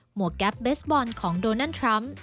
หัวแก๊ปเบสบอลของโดนัลด์ทรัมป์